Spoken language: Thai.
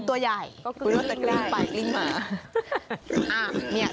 คุณตัวใหญ่คือลิ้งไปลิ้งมาลิ้งได้